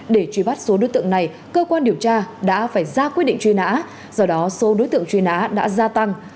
để truy bắt số đối tượng này cơ quan điều tra đã phải ra quyết định truy nã do đó số đối tượng truy nã đã gia tăng